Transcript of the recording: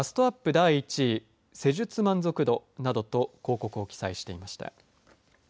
第１位施術満足度などと広告を記載していました。